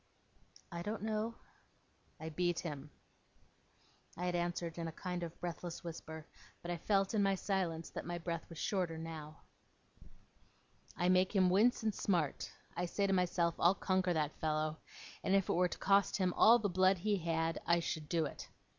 'I don't know.' 'I beat him.' I had answered in a kind of breathless whisper, but I felt, in my silence, that my breath was shorter now. 'I make him wince, and smart. I say to myself, "I'll conquer that fellow"; and if it were to cost him all the blood he had, I should do it.